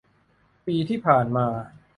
ปีที่ผ่านมา